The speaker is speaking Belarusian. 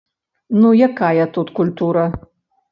Ну якая тут культура?